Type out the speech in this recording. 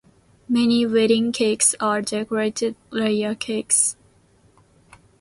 Many wedding cakes are decorated layer cakes.